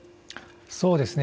そうですね